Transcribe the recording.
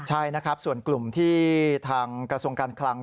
ใช่นะครับส่วนกลุ่มที่ทางกระทรวงการคลัง